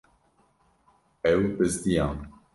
Ew bizdiyan.